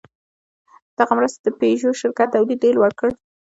دغې مرستې د پيژو شرکت تولید ډېر لوړ کړ.